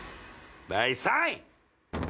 第３位。